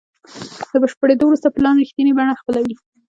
له بشپړېدو وروسته پلان رښتینې بڼه خپلوي.